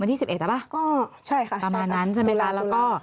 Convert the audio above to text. ที่สิบเอ็ดใช่ป่ะก็ใช่ค่ะประมาณนั้นใช่ไหมคะแล้วก็